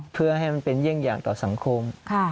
เพื่อให้มันเป็นเยี่ยงอย่างต่อสังคม